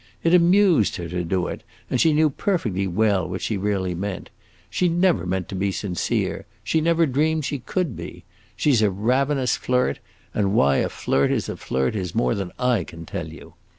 It amused her to do it, and she knew perfectly well what she really meant. She never meant to be sincere; she never dreamed she could be. She 's a ravenous flirt, and why a flirt is a flirt is more than I can tell you.